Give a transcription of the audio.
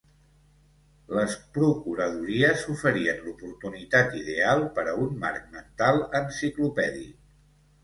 Les procuradories oferien l'oportunitat ideal per a un marc mental enciclopèdic.